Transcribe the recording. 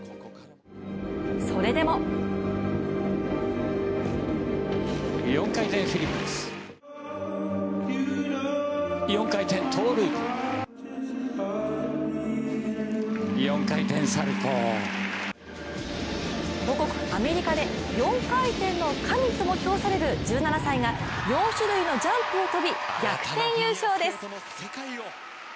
それでも母国・アメリカで４回転の神とも評される１７歳が４種類のジャンプを跳び逆転優勝です。